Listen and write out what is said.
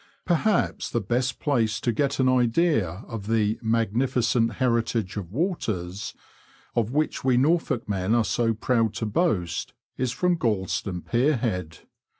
Perhaps the best place to get an idea of the magnificent heritage of waters " of which we Norfolk men are so proud »" to boast is from Gorleston Pierhead.